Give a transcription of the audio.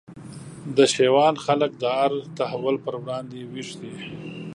د شېوان خلک د هر تحول پر وړاندي ویښ دي